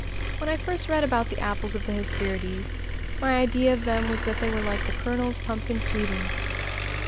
When I first read about the apples of the Hesperides, my idea of them was that they were like the Colonel's "pumpkin sweetings."